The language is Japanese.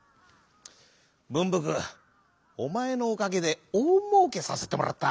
「ぶんぶくおまえのおかげでおおもうけさせてもらった。